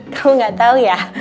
kamu gak tau ya